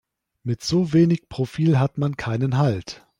Mit so wenig Profil hat man keinen Halt.